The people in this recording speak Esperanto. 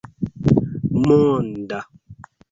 monda